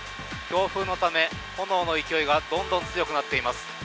強風のため炎の勢いがどんどん強くなっています。